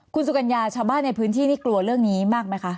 คุณสุกัญญาชาวบ้านในพื้นที่นี่กลัวเรื่องนี้มากไหมคะ